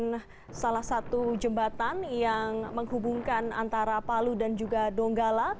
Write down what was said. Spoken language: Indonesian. merupakan salah satu jembatan yang menghubungkan antara palu dan juga donggala